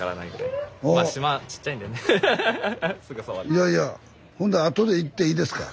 いやいやほんだらあとで行っていいですか？